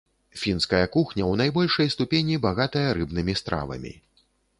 Фінская кухня ў найбольшай ступені багатая рыбнымі стравамі.